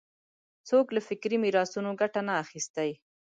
څوک له فکري میراثونو ګټه نه اخیستی